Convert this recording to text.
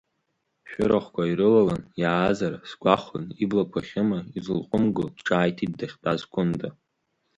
Шәырахәқәа ирылалан иаазар сгәахәын, иблақәа Хьыма изылҟәымго ҿааиҭит дахьтәаз Кәынта.